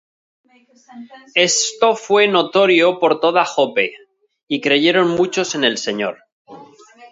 Esto fué notorio por toda Joppe; y creyeron muchos en el Señor.